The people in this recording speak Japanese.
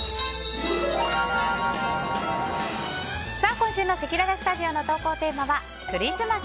今週のせきららスタジオの投稿テーマはクリスマス！